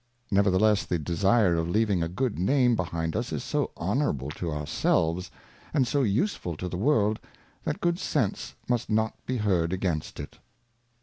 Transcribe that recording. Nevertheless, the desire of leaving a good Name behind us is so honourable to ourselves, and so useful to the World, that good Sense must not be heard against it.